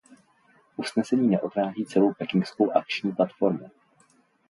Usnesení neodráží celou Pekingskou akční platformu.